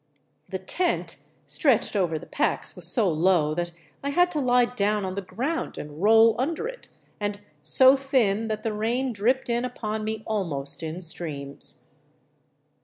The " tent " stretched over the packs was so low that I had to lie down on the ground and roll under it, and so thin that the rain dripped in upon me almost in streams.